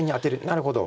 なるほど。